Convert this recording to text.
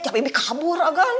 sampai bibi kabur agan